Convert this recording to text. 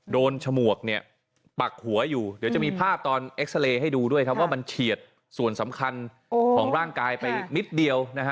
ตอนเอ็กซ่าเล่จะให้ดูมันเฉียดส่วนสำคัญของร่างกายไปนิดเดียว